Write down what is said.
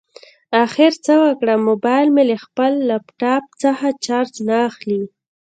اخر څه وکړم؟ مبایل مې له خپل لاپټاپ څخه چارج نه اخلي